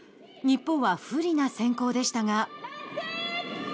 日本は不利な先攻でしたが。